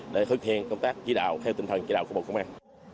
để thực hiện công tác chỉ đạo theo tinh thần chỉ đạo của bộ công an